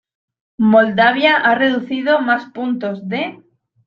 Moldavia ha recibido más puntos de...